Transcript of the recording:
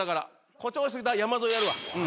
誇張し過ぎた山添やるわ。